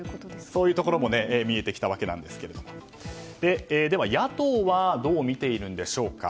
そういうところも見えてきたわけですがでは野党はどう見ているんでしょうか。